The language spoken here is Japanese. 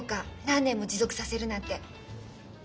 何年も持続させるなんて。